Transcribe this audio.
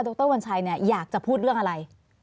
รวัญชัยเนี่ยอยากจะพูดเรื่องอะไร